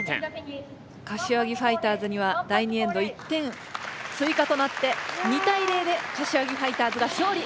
柏木ファイターズには第２エンド１点ついかとなって２対０で柏木ファイターズがしょうり。